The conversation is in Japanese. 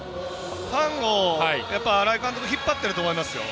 ファンを新井監督引っ張っていると思いますよ。